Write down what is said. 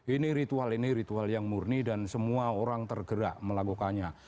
ini ritual ini ritual yang murni dan semua orang tergerak melakukannya